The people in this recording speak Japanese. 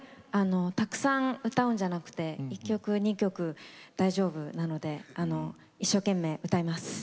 たくさん歌うのではなくて１曲、２曲大丈夫なので一生懸命歌います。